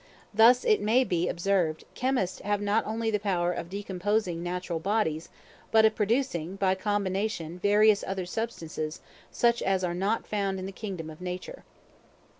Thus it may be observed, chemists have not only the power of decomposing natural bodies, but of producing by combination various other substances, such as are not found in the kingdom of nature.